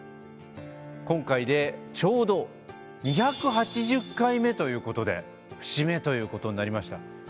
今回でちょうど２８０回目ということで節目ということになりました。